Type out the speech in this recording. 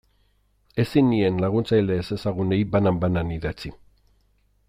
Ezin nien laguntzaile ezezagunei banan-banan idatzi.